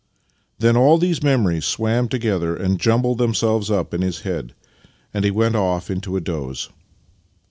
Then all these memories swam together and jumbled themselves up in his head, and he went off into a doze.